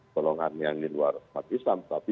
golongan yang di luar umat islam tapi